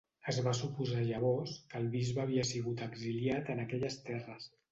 Es va suposar llavors que el bisbe havia sigut exiliat en aquelles terres.